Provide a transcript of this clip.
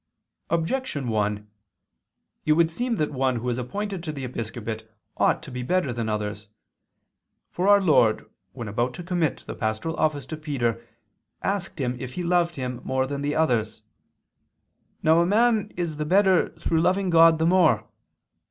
Objection 1: It would seem that one who is appointed to the episcopate ought to be better than others. For our Lord, when about to commit the pastoral office to Peter, asked him if he loved Him more than the others. Now a man is the better through loving God the more.